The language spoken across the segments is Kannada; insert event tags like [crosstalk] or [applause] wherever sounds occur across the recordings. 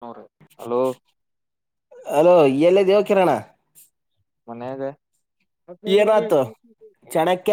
ನೂ್ರ ಹಲೋ. ಅಲೋ ಎಲ್ಲ ದೇವಕಿರಣರಣ. ಮನೆಯಾಗ. ಏನಾತು ಚಣಕ.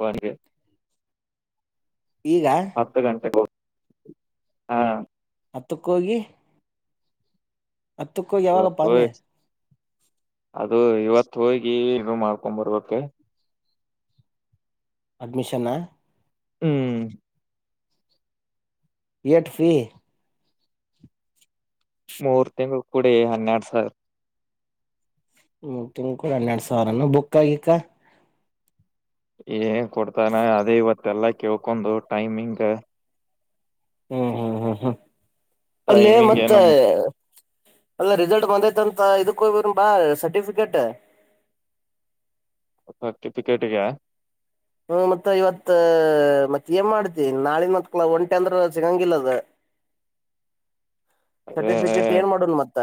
ಬಗೆ. ಈಗ ಹಫತ್ತು ಗಂಟೆಗೆ ಬ. ಹಾ. ಹತ್ತಕ್ಕೋಗಿ. ಹತ್ತಕ್ಕೋಗಿ ಇವತ್ತು ಹೋಗಿ ಯಾವಾಗಪ್ಪಂದೆ. ಅದು ಇವತ್ತು ಹೋಗಿ ನು ಮಾಡ್ಕೊ ಬರ್ಬೇಕ. ಅಡ್ಮಿಷನ್ನ. ಹ್ಮ್. ಯಠಫಿ. ಮೂರ್ ತಿಂಗಳು ಕೂಡ ಹನ್ನೆರಡು ಸರ್. ಹ್ಮ ತಿಂಗಕೂಡ ಹನ್ನೆರಡು ಸಾವಿರನು ಬುಕ್ ಆಗಿಕಾ [inaudible] ಕೊಡ್ತಾನೆ ಅದೇ ಇವತ್ತೆಲ್ಲ ಕೇಳ್ಕೊಂಡು. ಟೈಮಿಂಗ್. ಹ್ಮ್ ಹ್ಮ್ ಹ್ಮ್ ಹ್ಮ್. ಅಲ್ಲಿ ಟೈಮಿಂಗ್ ಮತ್ತೆ. ನಮ್ಮ ಅಲ್ಲ ರಿಸಲ್ಟ್ ಬಂದೈತಂತ ಇದಕ್ಕೂ ಬಾ ಸರ್ಟಿಫಿಕೇಟ್. ಕ್ತಿ ಪಿಕೆಟ್ಗೆ. ಹ್ಮ್ ಮತ್ತ ಇವತ್ ಮತ್ತತ್ ಏನ್ ಮಾಡ್ತಿ. ನಾಳನ್ ಮತ್ ಕ ಒಂಟೆ ಅಂದ್ರ ಸಿಗಂಗಿಲ್ಲದ ಅದೇ ಸರ್ಟಿಫಿಕೇಟ್ ಏನ್ ಮಾಡನ್ ಮತ್ತ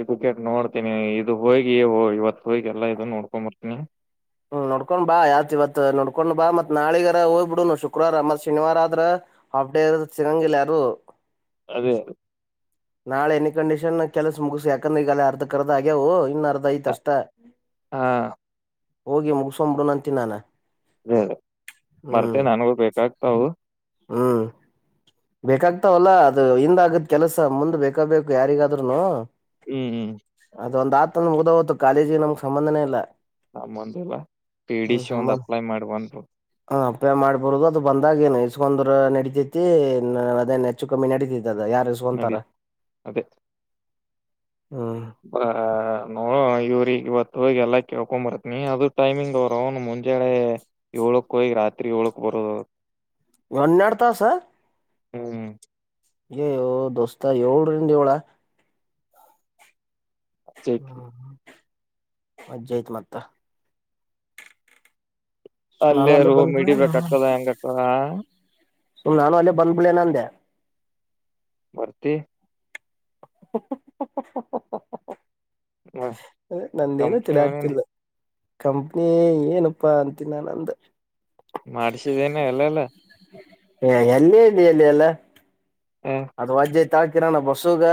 ಇದಕ್ಕೆ ನೋಡ್ತೀನಿ ಇದು ಹೋಗಿ ಇವತ್ ಹೋಗಿ ಎಲ್ಲಾ ಇದದು ನೋಡ್ಕೊಂಬರ್ತೀನಿ ಹ್ಮ ನೋಡ್ಕೊಂಡ್ ಬಾ ಯಾವತ್ ಇವತ್ ನೋಡ್ಕೊಂಡ್ ಬಾ ಮತ್ ನಾಳಗಾರ ಹೋಗ್ಬಿಡು ಶುಕ್ರವಾರ ಮತ್ ಶನಿವಾರ ಆದ್ರ ಹಾಫ್ ಡೇ ಇ ಸಿಗಂಗಿಲ್ಲ ಯಾರು ಅದೇ ಅದೇ ನಾಳೆ ಎಿ ಕಂಡಷನ್ ಕೆಲ್ಸ ಮುಗಿಸಸ ಯಾಕಂದ್ರೆ ಈಗ ಅ ಅರ್ಧ ಕರ್ದ ಆಗ್ಯವು ಇ ದಾಯ ಕಷ್ಟ ಹಾ ಹೋಗಿ ಮುಗಸೊಂಬನ ಅಂತಿ ನಾನ ಅದೇ ಮರ್ತೆ ಹ್ಮ್ ನನ್ಗಳು ಬೇಕಾಗ್ತವು ಹ್ಮ್ ಬೇಕಾಗ್ತಾವಲ್ಲ ಅದು ಹಿಂದ ಆಗದ್ ಕೆಲಸ ಮುಂದ್ ಬೇಕಬೇಕು ಯಾರಿಗಾದ್ೂನು ಹ್ಮ್ ಹ್ಮ್ ಅದೊಂದು ಆತಂದ ಮುಗ ಹತ್ತು ಕಾಲೇಜಿಗೆ ನಮ್ಗೆ ಸಂಬಧನೇ ಇಲ್ಲ ನಮ್ಮಂದಿಲ್ಲ ಪಿ ಡಿ ಹ್ಮ್ ಸಿ ಒಂದ್ ಅಪ್ಲೈ ಮಾಡ್ಬಂದರು ೇ ಮಾಡ್ಬರೋದು ಅದು ಬಂದಾಗಏನು ಇಷ್ಟ ಕಂದ ನಡಿತೈತಿ ಅದೇ ನೆಚ್ಚು ಕಮ್ಮಿ ನಡೀತೈತಿ ಅದ ಯಾರ ಸ್ಂತಾರ ನಡಿ ಹ ನೋ ಇವ್ರಗ್ ಇವತ್ತು ಹೋಗಿ ಎಲ್ಲಾ ಕೇಳ್ಕೊ್ ಬರತ್ನಿ ಅದು ಟೈಮಿಂಗ್ ಅವರು ಅವನ್ ಮುಂಜಾನೆ ಏಳಕ್ ಹೋಗಿ ರಾತ್ರಿ ಏಳಕ್ ಬರೋದು ಹನ್ನೆರಡು ತಾಸ ಹ್ಮ್ ಏ ದೋಸ್ತಾ ಏಳ್ರನ್ ಏಳ ಚೆಕ್ ಹ್ಮ ಅಜ್ಜಯತ್ ಮತ್ತ ಸುಮ್ ನಾನು ಅಲ್ಲೇ ರು ಬಂದ್ಬಿಡ ಇಿಡಿಬೇಕಾಗತದ ಹೆಂಗ ಆತದ ಸು್ ನಾನು ಅಲ್ಲೇ ಬಂದ್ಬಿಳೇನ ಅಂದೆ ಬರ್ತಿ [inaudible] ಅ ನಂದೇನು ಕಂಪ್ನಿ ಅವನೇನೆ ತಿಲಾಡ್ತಿಲ್ವಾ ಕಂಪ್ನಿ ಏನಪ್ಪಾ ಅಂತನಿ ನಾನ ಅಂದ ಮಾಡ್ಿಸಿದ್ದೇನೆ ಎಲ್ಲೆಲ್ಲ ಹ ಎಲ್ಲಿ ಇಲ್ಲಿ ಎಲ್ಲಿ ಎಲ್ಲ ಹ ಅದು ವಜ್ಜ ಕಿರಣ ಬಸ್ಸುಗ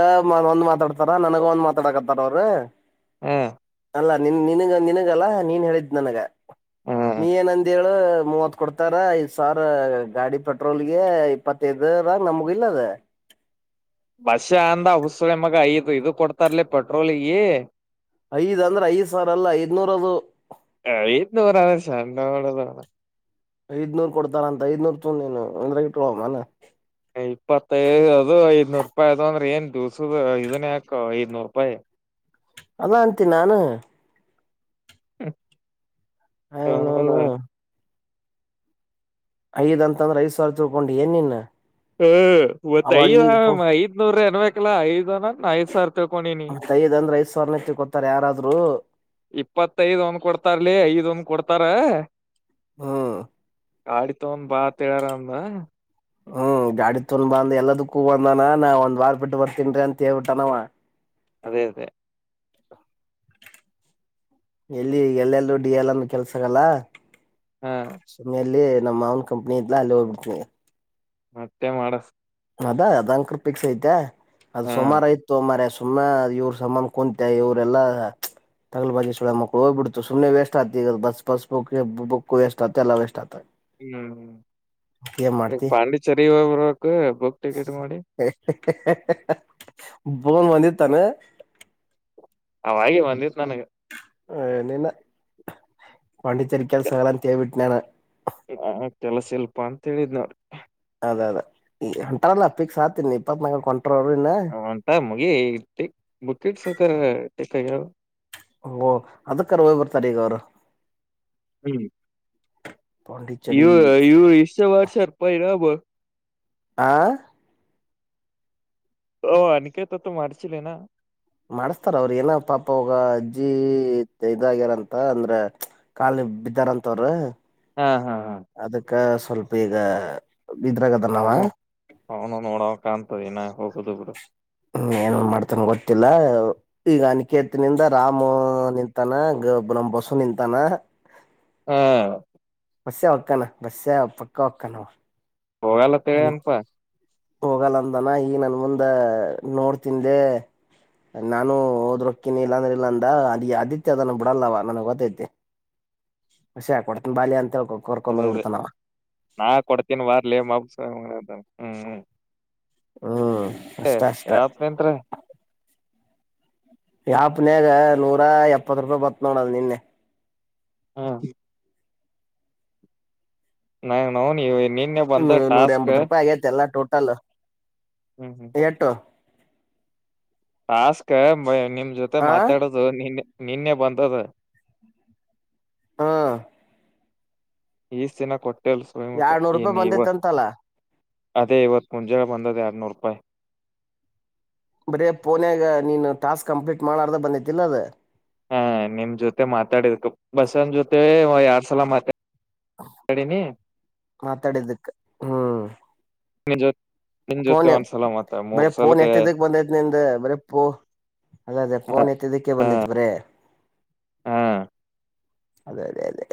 ಒಂದ್ ಮಾತಾಡ್ತಾರ ನನಗ ಒಂದ್ ಮಾತಾಡಕತ್ತಾರ ಅವರು ಹಾ ಅಲ್ಲ ನಿನ್ ನಿನಗ ನಿನಗಲ್ಲ ನೀನ್ ಹೇಳಿದ್ ನನಗ ಹ ನೀ ಏನಂದ ಹೇಳ ಮೂವತ್ ಕೊಡ್ತಾರ ಐದ್ ಸಾವಿರ ಗಾಡಿ ಪೆಟ್ರೋಲ್ಗೆ ಇಪ್ಪತ್ತೈದರ ನಮಗ ಇಲ್ಲದ ಬಸ ಅಂದ ಹುಸಳೆ ಮಗ ಐದು ಇದು ಕೊಡ್ತಾರ್ಲಿ ಪೆಟ್ರೋಲ್ಗ ಐದ್ ಅಂದ್ರೆ- ಐದ್ ಸಾವಿರ ಅಲ್ಲ ಐದ್ನೂಇನೂರದು. - ನಾಳೆ [unintelligible] ನಾಳೆ ಐದ್ನೂರ್ ಕೊಡ್ತಾರ- ಅಂತ ಐದ್ನೂರ್ ತ ನೀನು ಅಂದ್ರ ಇಟ್ಟ ಅನ. ಇಪ್ಪತ್ತೈದು ಅದು ಐದನೂರು ರೂಪಾಯಿ. ಅದು ಅಂದ್ರೆ ಏನ್ ದಿವ್ಸದ ಇದನ್ ಯಾಕ ಐದನೂರು ರೂಪಾಯಿ. - ಅಲ್ಲಾ ಅಂತ ನಾನು. - ಹ [inaudible] ಹಾ ಹ [unintelligible] ಐದ್ ಅಂದ್ರೆ ಐದ ಸಾವಿರ ತಳ್ಕೊಂಡು ಏನಿನ್. - ಹ ಇವತ್ತ ಐದ್ ಐದ್ನೂರ ಅನ್ಬೇಕಕ್ಲ್ಲಾ. ಐದ್ನ ಐದ್ ಸಾವಿರ ತಿಳ್ಕೊಂಡಿನಿ. ಮತ್ತೈದ್ ಅಂದ್ರ ಐದ್ ಸಾವಿರನ ತಿಳ್ಕೊತಾರ ಯಾರಾದ್ರು ಇಪ್ಪತ್ತೈದ ಒನ್ ಕೊಡ್ತಾರ್ಲಿ ಐದ್ ಒಂದ ಕೊಡ್ತ. - ಹತಾರ [inaudible] ಹಾ, [inaudible] ಆಡಿತ ಒಂದ ಬಾತಹೇಳಾರಂದ. ಹ್ಮ್, ಗಾಡಿ ತೊಂದ ಬಂದ್ ಎಲ್ಲದಕ್ಕೂ ಬಂದನ. ನಾ ಒಂದ್ ವಾರ ಬಿಟ್ಟು ಬರ್ತನ್ರಿ ಅಂತ ಹೇಳ್ಬಿಟ್ಟನವ. - ಅದೇ -ಅದೇ, ಎಲ್ಲಿ ಎಲ್ಲೆಲ್ಲರೂ ಡಿ ಎಲ್ ಅನ್ ಕೆಲ್ಸಕ್ಕಲ್ಲ ಹಾ [unintelligible] ಸುಮ್ಮಲ್ಲಿ [inaudible] ನಮ್ಮ ಮಾವನ್ ಕಂಪ್ನಿಲ್ಲ ಲೋಬಟಿವಿ. - ಮತ್ತೆ ಮಾಡಸ [unintelligible] ಅದಾ ಅದಂ ಕ್ರ ಿಕ್ಸ್ ಐತೆ [unintelligible] ಅದು ಹಾ ಸೋಮಾವರ ಇತ್ತು ಮರಾಯ- ಸುಮ್ಮನೆ ಇವ್ರ ಸಮ್ಮಾನನ್ ಕುಂತ ಇವರೆಲ್ಲ ತಗಲು ಬಾಜಿ ಸುಳ ಮಕ್ಳು ಹೋಗ್ಬಿಡ್ತು. ಸುಮ್ಮನೆ ವೇಸ್ಟ್ ಆಗ್ತತಿ ಈ bus bus book book waste ಆಗ್ತ ಎಲ್ಲ ವೇಸ್ಟ್ ಆಗ್ತದೆ. - ಹ್ಮ್, ಮಾಡ್ತಿ ಪಾಂಡಿಚೆರಿ- ಲಗಭಗ ಟಿಕೆಟ್ ಮಾಡಿ [unintelligible] ಫೋನ್ ಬಂದಿ ತಾನ. - ಅವ ಹಾಗೆ ಬಂದಿ, - ನನಗೆ [unintelligible] ಹೇ, ನಿನ್ನ- ಪಂಡಿಚೇರಿಕಾ [unintelligible] ಸಹಲಾ ತೇವಿಟ್ಟನ ಕೆಲಸ ಇಲ್ಪಾ ಅಂತ ಹೇಳಿದ್ನಾವ್ರಿಗೆ. - ಅದೇ -ಅದೇ ಹೆಂಟಾರಲ್ಲ ಪಿಕ್ಸ್ ಆತೀನಿ ಇಪ್ಪತ್ ನ ಹ, [unintelligible] ಅಂತ ಮುಗಿ ಬುಕ್ಕಿಟ್ ಸಕ ಟಕ್ಕ ಯಾವ ಓ ಅದಕ್ಕರ ಹೋಗ್ ಬರ್ತಾರ ಈಗ ಅವರು ಹ್ಮ್, - ಪಾಂಡಿಚೇರಿ ಇವು- ಇವು ಇಷ್ಟ ವರ್ಷಸರ್ ಪಿ ರಬೋ. ಆ [inaudible] ಓ, [inaudible] ಅನಕ್ಕೆ ತ ತ ಮಾರಚ್ ಲಿನ ಮಾಡಸ್ತಾರ. ಅವ್ರ ಏನ ಪಾಪವಾಗ ಅಜ್ಜಿ ಇದಾಗ್ಯಾರಂತ ಅಂದ್ರ ಕಾಲನಿ ಬಿದ್ದಾರಂತವ್ರ., - ಹಾ, ಹಾ, ಹಾ,, ಸ್ವಲ್ಪ ಈಗ. ಇದ್ರಾಗದನವ ಅವನು ಅವನು ನೋಡವ ಕಾಣಂತದಿನ ಹೋಗ. ಕದ ಕೂಡ. ಹ್ಮ ಏನನ್ ಮಾಡ್ತಾನ ಗೊತ್ತಿಲ್ಲ ಈಗ ಅನಿಕೇತಿನಿಂದ ರಾಮು ನಿಂತಾನ ಗಬ ಬಸವ ನಿಂತಾನ. ಹಾ. ಬಸ್ಸ್ಯ ಒಕ್ಕಾನ ಬಸ್ಸ್ಯ ಪಕ್ಕಾ ಒಕ್ಕಾನವ. ಹೋಗಲ್ಲ ತಿಳ ಅನಪ. ಹೋಗಲ್ಲ ಅಂದನ ಈ ನನ್ ಮುಂದ ನೋಡ್ತಿಂದ್ಲೆ ನಾನು ಹೋದ್ರಕ್ಕಿನಿ ಇಲ್ಲಾಂದ್ರ ಇಲ್ಲಾಂದ ಅದ ಆದಿತ್ಯ ಅದನ್ನ ಬಿಡಲ್ಲವ ನನ್ಗ್ ಗೊತ್ತೈತಿ. ಹಷಿ ಹಾಕ ಕೊಡ್ತನ ಬಾಲ್ಯ ಅಂತ. ಹೇಳ ಕರ್ಕೊಂಡ್ ಅದೇ ಹೋಗ್ಬ ಅದೇ ಬಿಡ್ತಾನ ಅವ ನಾ ಕೊಡತೀನ ವಾರ್ಲ ಮಬ್ಬು ಸೂಳೆಮಗನೆ ಅಂತನ. ಹ್ಮ್. ಹಾ. ಯಾವತ್ಂತ್ರ. ಯಾಪ್ನ್ಯಾಗ ನೂರ ಎಪ್ಪತ್ ರೂಪಾಯಿ ಬತ್ ನೋಡಲ್ ನಿನ್ನೆ. ಹಾ. ನಾ ನೌನ ನೀ. ನೂರ ಎಂಬತ್ತು ರೂಪಾಯಿ ಆಗೇತಿ ಎಲ್ಲ ಟೋ. ಅಲ್ಲ. ಹ್ಮ್ ಏಟು. ಟಾಸ್ಕ ಮ ನಿಮ್. ನ ಜೊತೆ ಆ ಮಾತಾಡೋದು ನಿನ್ನೆ. ನಿನ್ನೆ ಬಂದದ. ಹಾ. ಈಷ್ಟ ದಿನ ಕೊಟ್ಟ. ಮ ಎರಡ್ನೂರು ಏನ ರೂಪಾಯಿ ಇವ ಬಂದೈತ್ ಅಂತಲ್ಲ ಅದೇ ಇವತ್ ಮುಂಜಾನ ಬಂದದ ಎರಡ್ನೂರು. ಹಾಯ. ಬರೆ ಪೋನಾಗ ನೀನು ಟಾಸ್ಕ್ ಕಂಪ್ಲೀಟ್ ಮಾಡ್ಲಾರ್ದ ಬಂದೈತಿಲ್ಲ ಅದ ಹಾ ನಿಮ್ ಜೊತೆ ಮಾತಾಡಿದಕ ಬಸನ್ ಜೊತೆ ಯಾರ್. ಸಲಾಮತ. [inaudible] ಮಾತಾಡಿದಕ್ಕೆ. ಹ್ಮ. ನಿನ್ ಜೊ ನಿನ್ ಜೊತೆ ಫೋನ್ ಒಂದ್ಸಲ ಎತ್ತಿದಕೆ ಮತ್ತ ಬರ ಮೂರ್ ಫೋನ್ ಸಲಕ್ಕೆ ಎತ್ತಿದ್ದಕ್ ಬಂದೈತ್ ನಿಮ್ದ ಬರ ಪೋ ಅದೇ ಅದೇ ಹ ಪಫೋನ್ ಎತ್ತಿದ್ದಕ್ಕೆ ಬಂದೈತ್ ಬರ. ಹಾ ಅದೇ ಅದೇ ಅದೇ.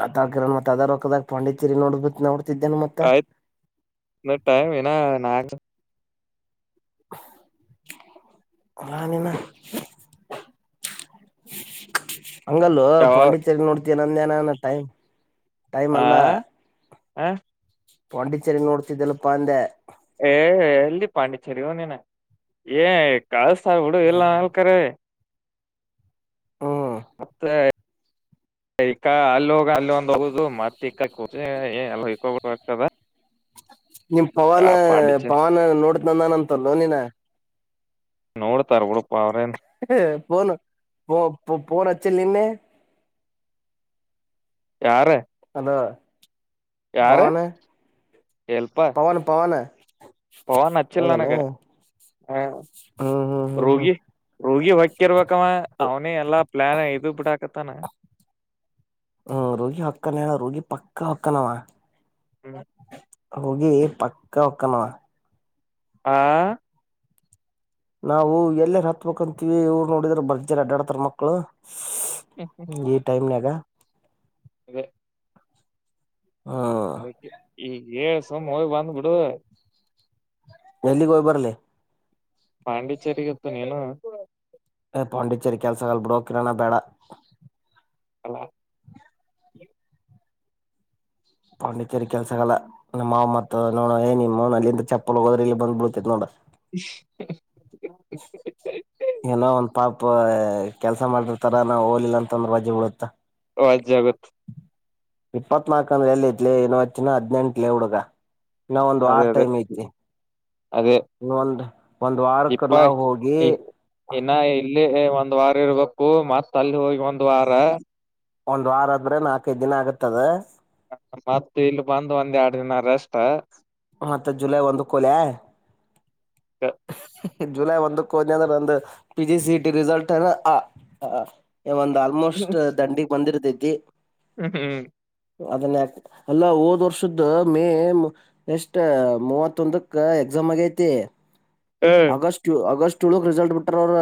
ಆ ತಕ ಮತ್ ಅದರೋಕ್ಕದಾಗ ಪಾಂಡಿಚಾರಿ ನೋಡ್ಬಿಕ್ ನೋಡ. ಆಯ್ತ್ ನ ಟೈಮ್ ಏನಾ ನಾಗ. [inaudible] ಹಾನಮ್ಮ. [inaudible] ಹಂಗಲ್ಲು ಯಾವ ಪಂಡಿ ಚರಿ ನೋಡ್. ದೈನಂದಿನಾನ ಟೈಮ ಆಆ ಆ ಪಂಡಿಚೆರಿ ನ್ನೋಡತಿದ್ದಲ್ಲಪ್ಪ ಅಂದೆ ಏ ಎಲ್ಲಿ ಪಾಂಡಿಚೇರಿ ಯೋ ನಿನ್ನ ಏ ಕಳ್ಸ್ ಸರ್ ಹುಡುಗ ಇಲ್ಲ ಅಂದ್ರ್ ಕಡೆ ಹ್ಮ್ [inaudible] ಅಲ್ ಹೋಗ್ ಒಂದ ಹೋಗುದು ಮತ್ತ ಇಕ್ಕಾ ಎಲ್ಲ ಹಿಕ ಆಗ್ತದ ನಿಮ ಪವನ್ ಪವನ್ ನೋಡತ ನಂದನ್ಂತಲ್ಲೋ ನೀನ್ನ ನೋಡ್ತಾರ್ ಬುಡಪ್ಪ ಅವ್ರೇನ್ ಹ ಫೋನು ಫೋನೇಚ್ಚಿಲ್ಲ ನಿನ್ನೆ ಯಾರ [unintelligible] ಹಾ ಯಾರ ಭವನ ಪವನ್ ಪವಾನ ಪವಾನ್ ಅಚ್ಚಿಲ್ಲ ನನಗೆಆ ಹ್ಮ್ ಹ್ಮ್ ಹ್ಮ್ ಹ್ಮ್ ರೂಗಿ ರೂಗಿ ಹೊಕ್ಕಿರ್ಬೇಕವ ಅವನೇ ಎಲ್ಲಾ ಪ್ಲಾನ್ ಇದು ಬಿಟ್ಟಾಕತ್ತಾನ ಹ್ಮ್ ರೂಗಿ ಹಕ್ಕನಣ ರೂಗಿ ಪಕ್ಕಾ ಹಕ್ಕನವಾ ಹ್ಮ ರೂಗಿ ಪಕ್ಕಾ ಒಕ್ಕನವಾ ಆ ನಾವು ಎಲ್ಲ ಹತ್ಬಂತೀವಿ ಇವ್ರು ನೋಡಿದ್ರರು ಬಜರಿ ಅಡ್ಡಾಡತರ ಮಕ್ಳು ಈ ಟೈಮ ನಗ ಅದೇ ಹ್ಮ್ ಹಾಗಯೆ ಈ ಏ ಸಮ ಹೋಗ್ ಬಂದು ಬಿಡು ಎಲ್ಲಿಗೆ ಹೋಗ್ ಬರ್ಲಿ ಪಾಂಡಿಚೆರಿಗತ್ತು ನೀನು ಪಾಂಡಿಚೇರಿ ಕೆಲ್ಸ ಆಲ್ಬಡ ಕಿರಣ ಬೇಡ ಹಲೋ [inaudible] ಪಾಂಡಿಚೇರಿ ಕೆಲ್ಸಗಲ್ಲ ನಮ್ಮ ಮಾವ ಮತ್ ನೋಡ ಏ ನಿಮ್ಮನ ಅಲ್ಲಿಂತ ಚಪ್ಪಲು ಹೋಗೋದ್ರೆ ಇಲ್ಲಿ ಬಂದ್ ಬಿಳತಿದ್ ನೋಡ [unintelligible] [inaudible] ಏನೋ ಒಂದು ಪಾಪ ಪಾ ಕೆಲ್ಸ ಮಾಡದ್ರ ತರ ನಾ ಹೋಗಿಲ್ಲ ಅಂತಂದ್ರೆ ಹೋಜ ಬೀಳುತ ಅದ್ ಜಗತ್ ಇಪ್ಪತ್ತ್ನಾಲ್ಕ ಅಂದ್ರೆ ಎಲ್ಲಿತ್ಲಿ ಇವತ್ ಇನ್ನ ಹದ್ನೆೆಂಟ್ಲಿ ಹುಡುಗ ಇನ್ನ ಒಂದ್ ವಾರ ಅದೇ ಅದೇ ಟೈಮ್ ಐತಿ ಅದೇ ಇನ್ನ ಒಂದ್ ಒಂದ್ ವಾರಕ್ಕ ಇಪ್ಪ ನಾವ್ ಹೋಗಿ ಇನ್ನ ಇಲ್ಲಿ ಒಂದ್ ವಾರ ಇರ್ಬೇಕು ಮತ್ತ್ ಅಲ್ಲಿ ಹೋಗಿ ಒಂದ್ ವಾರ ಒಂದ್ ವಾರ ಆದ್ರೆ ನಾಲ್ಕೈದು ದಿನ ಆಗತ್ತದ ಮತ್ತ ಇಲ್ಲಿ ಬಂದು ಒಂದ್ ಎರಡ್ ದಿನ ರೆಸ್ಟ್ ಮತ್ತ ಜುಲೈ ಒಂದಕ್ಕೋಲೆ ಹ. ಜುಲೈ ಒಂದಕ್ಕ ಹೊದ್ನಿ ಅಂದ್ರ ನಂದ P G C E T result ಅದ. ಒಂದ್ ಆಲ್ಮೋಸ್ಟ್ ದಂಡಿಗ ಬಂದಿರ್ತೈತಿ. ಹ್ಮ್ ಹ್ಮ್ ಅದನ್ನ ಯಾಕ. ಅಲ್ಲ ಹೋದ್ ವರ್ಷದ್ದ ಮೇ ಎಸ್ಟ್ ಮೂವತ್ತೊಂದಕ್ಕ ಎಕ್ಸಾಮ್ ಆಗೈತಿ. August August. ಚುಳಕ್ ರಿಸಲ್ಟ್ ಬಿಟ್ಟಾರ್ ಅವ್ರ.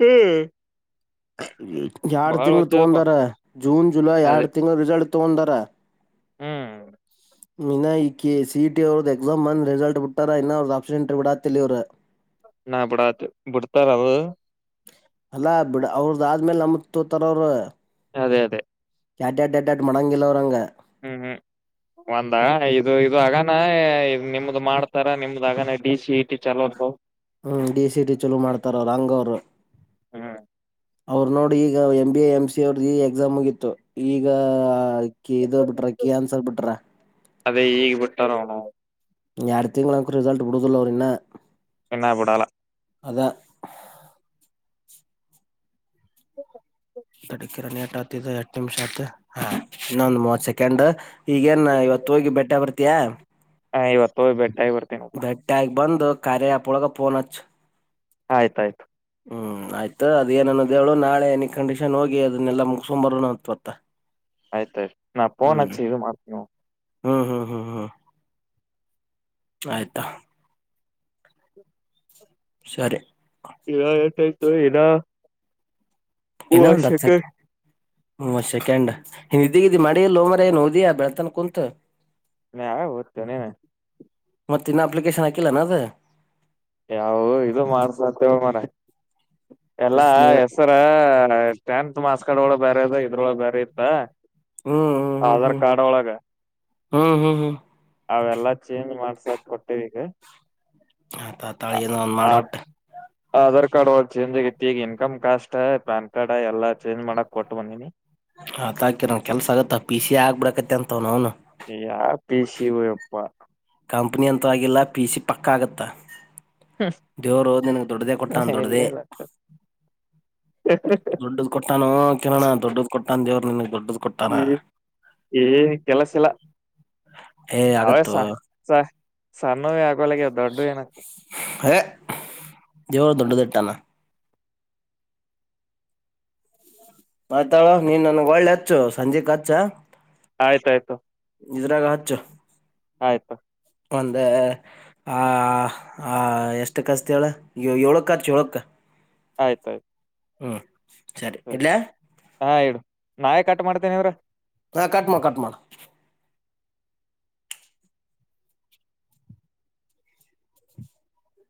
ಹ್ಮ್. ಹ. [inaudible] ಯಾಡ ಬಾಳ್ ತಿಂಗಳ ವಜ್ಜದಪ್ಪ ತಗೊಂದಾರ ಜೂನ್ ಜುಲೈ ಅದೇ ಯಾಡ ತಿಂಗಳ ರಿಸಲ್ಟ್. ತೊಂದರ. ಹ್ಮ್. ಇನ್ನ ಈ ಸಿ ಇ ಟಿ ಅವ್ರದ ಎಕ್ಸಾಮ್ ಅಂದ್ ರಿಸಲ್ಟ್ ಬಿಟ್ಟಾರ ಇನ್ನ ಅವ್ರದ ಆಪ್ಸೆಂಟ್ರ್ ಬಿಡ. ತ್ತೂರು. [inaudible] ನಾ [inaudible] ಬಿಡ್ತಾರವ. ಅಲ್ಲಾ ಬಿಡ್ ಅವ್ರದ ಆದ್ಮೇಲೆ ನಮ್ಮತ್ ತೋಗೋತಾರ ಅವ್ರ. ಅದೇ ಅದೇ. ಯಾಡ್ ಯಾಡ್ ಯಾಡ್ ಮಡಂಗಿಲ್ಲ ಅವ್ರಂಗ. ಹ್ಮ್ ಹ್ಮ್ ಒಂದ ಇದು ಇದು ಆಗಾನ ನಿಮ್ದು ಮಾಡ್ತಾರ ನಿಮ್ದ ಆಗನ ಡಿ ಸಿ ಇ ಟಿ ಚಲೋ ಅಂತ ನೋಡ್. ಹ್ಮ್ ಡಿ ಸಿ ಟಿ ಚಲೋ ಮಾಡ್ತಾರ ಅವ್ರ ಹಂಗ ಅವ್ರ. ಹ್ಮ್ ಅವರು ನೋಡಿ ಈಗ M B A M C A ಅವ್ರ್ದ ಈ ಎಕ್ಸಾ ಮುಗೀತು ಈಗ. ಕೆಇಎ ಇದು ಬಿಟ್ರಾ ಕಿ ಆನ್ಸರ್ ಬಿಟ್ರಾ. ಅದೇ ಈಗ ಬಿಟ್ಟಾರ. [unintelligible] ಎರಡು ತಿಂಗಳ ಅಂಕೃ ರಿಸಲ್ಟ್ ಬಿಡೋದಿಲ್ಲ ಅವ್ರ ಇನ್ನ. ಎನ್ನ ಬಿಡಾಲ. ಅದ. ದಡ್ಡ ಕಿರಣ ಎಟ ಆತ ಇದ ಎಟ ನಿಮಿಷ ಆತ್ ಹಾ ಇನ್ನೊಂದು ಮೂವತ್ತು ಸೆಕೆಂಡ್ ಈಗೇನ್ ಇವತ್ತು ಹೋಗಿ ಬೆಟ್ಟೆ ಬರ್ತಿಯಾ. ಹಾ ಇವತ್ತು ಹೋಗಿ ಭೇಟಿ. ಬೆಟ್ಟಾಗಿ ಬಂದು. ಕಾರ್ಯ ಆಪ ಒಳಗ ಪೋನ್ ಹಚ್ಚ. ಆಯ್ತಾಯ್ತು. ಹ್ಮ್ ಆಯ್ತು ಅದ ಏನ ಅನ್ನೋದ ಹೇಳ್ ನಾಳೆ ಎನಿ ಕಂಡೀಷನ್ ಹೋಗಿ ಅದನ್ನೆಲ್ಲ ಮುಗಿಸಿಕೊಂಡು ಬರುಣತ್ವ. ಆಯ್ತ ಆಯ್ತು ನಾ ಪೋನಚು ಇದು ಮಾತ ನೋಡ್. ಹ್ಮ್ ಹ್ಮ್ ಹ್ಮ್ ಹ್ಮ. ಆಯ್ತಾ. ಸರಿ. ಇಗ ಎಟ್ಟಯ್ತು ಇನೋ. ಇನ್ನೊಂದು ಹತ್ತು ಸೆಕೆಂಡ್. ಮೂವತ್ತ್ ಸೆಕೆಂಡ್ ನಿದ್ದಿಗಿದ್ದಿ ಮಾಡೀಅಲ್ಲೋ ಮಾರಾಯ ಏನ್ ಓದಿಯಾ ಬೆಳ್ತಾನ ಕುಂತ. ನ ಅವ ಹೊತ ನ [inaudible] ಮತ್ತ ಇನ್ನ ಅಪ್ಲಿಕೇಶನ್ ಹಾಕಿಲ್ಲಾನ ಅದ. ಯಾವವು ಇದು ಮಾಡ್ಸತೆವಿ ಮಾರಾಯ. ಎಲ್ಲಾ ನೀರ ಹೆಸರ ಟೆಂತ ತ ಮಾರ್ಕ್ಸ್ಕಾರ್ಡ್ ಒಳಗ ಬೇರೆ ಅದ ಇದ್ರೊಳ ಬೇರೆ ಇತ್ತಾ ಹ್ಮ್ ಹ್ಮ್ ಹ್ಮ್ ಆಧಾರ್ ಕಾರ್ಡ್ ಒಳಗ ಹ್ಮ್ ಹ್ಮ್ ಹ್ಮ್ ಅವೆಲ್ಲಾ ಚೇಂಜ್ ಮಾಡ್ಸಾಕ್ ಕೊಟ್ಟೇವಿ ಈಗ ಹ ಅತ್ತತ್ತ ಏನರ ಆ ಮಾಡ್ ಒಟ್ ಆಧಾರ್ ಕಾರ್ಡ್ ಚೇಂಜ್ ಆಗಿತಿ ಈಗ ಇನ್ಕಮ್ ಕಾಸ್ ಪ್ಯಾನ್ ಕಾರ್ಡ್ ಎಲ್ಲ ಚೇಂಜ್ ಮಾಡಕ್ ಕೊಟ್ಟು ಬಂದಿನಿ ಆತ್ಕಿರನ್ ಕೆಲ್ಸ ಆಗತ್ತ ಪಿ ಸಿ ಆಗ್ಬಿಡಕತ್ತ ಅಂತವ್ ಅವನು ಯಾ ಪಸಿವ ಅಪ್ಪಾ ಕಂಪ್ನಿ ಅಂತ ಆಗಲ್ಲ ಪಿ ಸಿ ಪಕ್ಕ ಆಗುತ್ತಾ ದೋರೋ ನಿಿನಗೆ ತೊಡದೇ ಕೊಟ್ಟಾ ಇಲ್ಲ ದೊಡದೇ ಇಲ್ಲ ದೊಡ್ಡದ ಕೊಟ್ಟಾನು ಕೇಳೋಣ ದೊಡ್ಡ ಕೊಟ್ಟ ತಂಜವರ ನಿ ಹ್ಮ ಏ ಕೆಲಸಲ್ಲ ಏ ಅವೆಸ ಆಗತ್ತೋ ಸ ಸಾನು ಆಗ [unintelligible] ದೊಡ್ಡದ ಇಟ್ಟಾನ ಮಾತಾಳುವ ನೀನ್ನ್ನು ಒಳ್ಳೆ ಹಚ್ಚು ಸಂಜೆಕ್ ಹಚ್ಚ ಆಯ್ತ ಆಯ್ತು ಚ ಆಯ್ತಾ ಅದೇ ಆ ಆ ಎಷ್ಟೋ ಹಚ್ತಿ ಹೇಳ ಹೇಳೇಳ ಏಳಕ್ಕ ಹಚ್ ಏಳಕ್ಕ ಆಯ್ತಾಯ್ತು ಹ್ಮ್ ಸರಿ ಹ್ಮ್ ಇಡ್ಲ್ಯಾ ಹಾ ಇಡು ನಳಿಕ ಹಚ್ ಮಾಡ್ತೇನ ಇವ್ರ ಹಾ ಕಟ್ ಮಾಡ ಕಟ್ ಮಾಡ